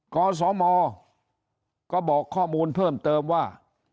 กสมก็บอกข้อมูลเพิ่มเติมว่า